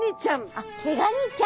あっケガニちゃん。